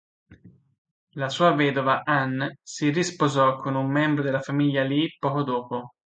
La sua vedova, Anne, si risposò con un membro della famiglia Lee poco dopo.